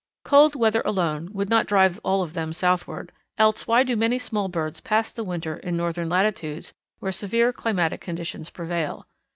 Cold weather alone would not drive all of them southward, else why do many small birds pass the winter in northern latitudes where severe climatic conditions prevail?